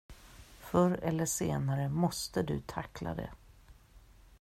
Förr eller senare måste du tackla det.